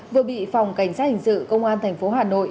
vừa bị phòng cảnh sát hình sự công an thành phố hà nội